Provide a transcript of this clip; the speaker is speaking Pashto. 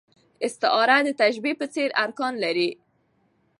استعاره د تشبېه په څېر ارکان لري.